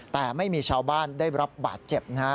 แต่ไม่มีชาวบ้านได้รับบาดเจ็บนะฮะ